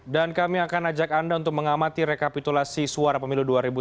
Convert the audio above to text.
dan kami akan ajak anda untuk mengamati rekapitulasi suara pemilu dua ribu sembilan belas